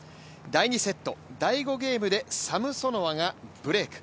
第２セット、第５ゲームでサムソノワがブレーク。